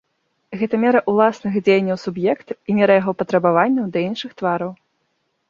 Гэта мера ўласных дзеянняў суб'екта і мера яго патрабаванняў да іншых твараў.